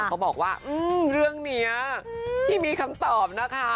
เขาบอกว่าเรื่องนี้ที่มีคำตอบนะคะ